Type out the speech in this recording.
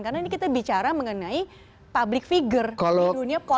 karena ini kita bicara mengenai public figure